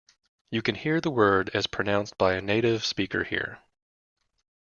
You can hear the word as pronounced by a native speaker here.